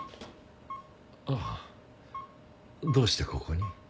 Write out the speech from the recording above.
あっどうしてここに？